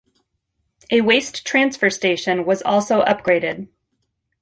A waste transfer station was also upgraded.